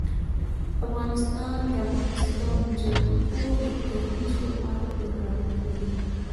افغانستان د د افغانستان جلکو د ترویج لپاره پروګرامونه لري.